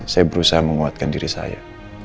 saya berusaha menguatkan diri saya